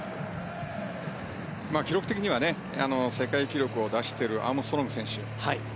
記録的には世界記録を出しているアームストロング選手。